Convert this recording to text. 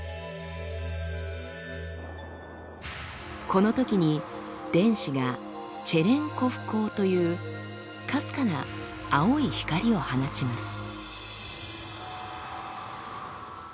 このときに電子が「チェレンコフ光」というかすかな青い光を放ちます。